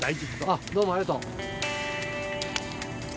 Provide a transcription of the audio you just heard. どうもありがとう。